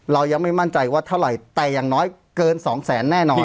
เรายังไม่มั่นใจว่าเท่าไหร่แต่อย่างน้อยเกินสองแสนแน่นอน